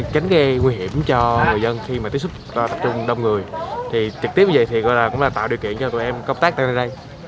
tránh gây nguy hiểm cho người dân khi mà tiếp xúc tập trung đông người thì trực tiếp như vậy thì cũng là tạo điều kiện cho tụi em công tác tại đây